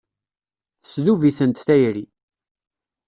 Tesdub-itent tayri.